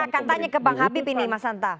kita akan tanya ke bang habib ini mas anta